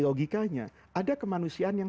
logikanya ada kemanusiaan yang